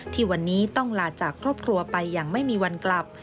ที่วันนี้ต้องลาจากครอบครัวไปอย่างไม่มีวันกลับ